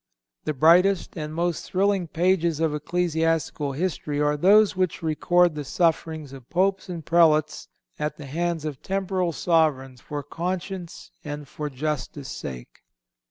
(315) The brightest and most thrilling pages of ecclesiastical history are those which record the sufferings of Popes and Prelates at the hands of temporal sovereigns for conscience' and for justice' sake.